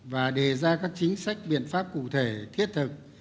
và đề ra các chính sách biện pháp cụ thể thiết thực